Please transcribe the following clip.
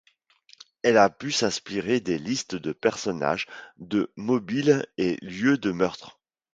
Elle a pu s'inspirer des listes de personnages, de mobiles et lieux de meurtres.